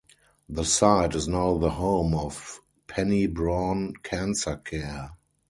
The site is now the home of Penny Brohn Cancer Care.